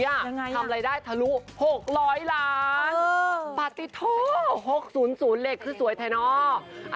ยังไงอ่ะทำรายได้ทะลุหกร้อยล้านเออปฏิโทษหกศูนย์ศูนย์เหล็กคือสวยไทยเนอะ